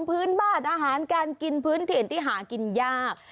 พื้นบ้านอาหารการกินพื้นถิ่นที่หากินยาก